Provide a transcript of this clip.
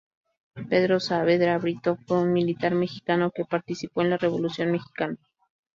Pedro Saavedra Brito fue un militar mexicano que participó en la Revolución mexicana.